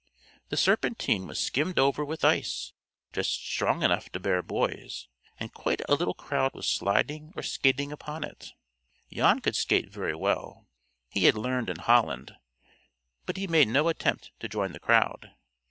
The Serpentine was skimmed over with ice just strong enough to bear boys, and quite a little crowd was sliding or skating upon it. Jan could skate very well. He had learned in Holland, but he made no attempt to join the crowd.